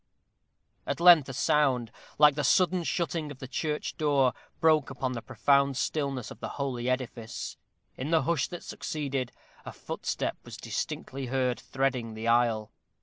At length a sound, like the sudden shutting of the church door, broke upon the profound stillness of the holy edifice. In the hush that succeeded, a footstep was distinctly heard threading the aisle.